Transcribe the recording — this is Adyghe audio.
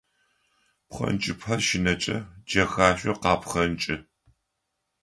Пхъэнкӏыпхъэ шынэкӏэ джэхашъор къапхъэнкӏы.